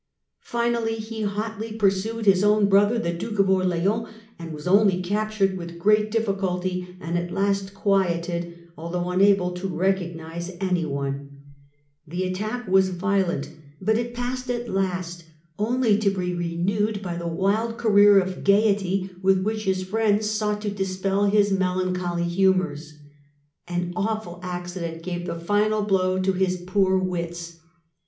Finally he hotly pursued his own brother the Duke of Orleans, and was only captured with great difficulty, and at last quieted, although unable to recognise any one. The attackwas HISTORY OP FRANCE, 1380 1453 207 violent, but it passed at last, only to be renewed by the wild career of gaiety with which his friends sought to dis pel his melancholy humours. An awful accident gave the final blow to his poor wits.